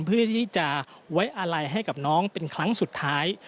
เพื่อที่จะไว้อาลัยให้กับน้องเป็นครั้งสุดท้าย